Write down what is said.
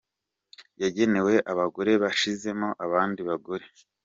yagenewe abagore basizemo abandi bagore.